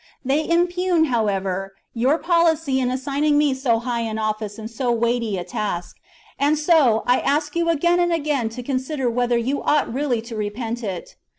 They impugn, however, your policy in assigning me so high an office and so weighty a task ; and, so, I ask you again and again to consider whether you ought really to repent it.